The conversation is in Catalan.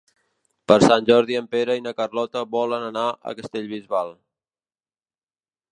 Per Sant Jordi en Pere i na Carlota volen anar a Castellbisbal.